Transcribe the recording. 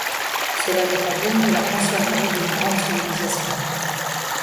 Cela n’est pas digne de la Conciergerie d’une grande civilisation.